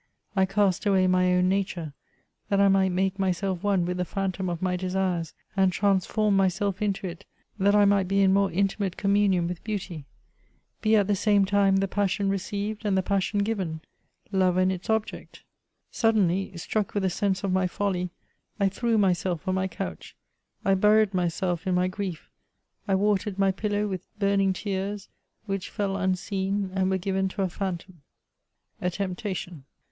I cast away my own nature, that I might make myself one with the plumtom of my desires, and transform myself into it, that I might be in more intimate communion with beauty ; be at the same time the passion received and the passion given, — lore and its object. Suddenly, struck with a sense of my foUy, I threw myself on my couch ; I buried myself in my grief; I v^atered my pillow vrith burning tears* which fell un seen, and were given to a phantom. A TEMPTATION.